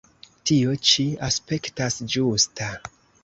Tio ĉi aspektas ĝusta.